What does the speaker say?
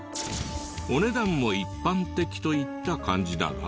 お値段も一般的といった感じだが。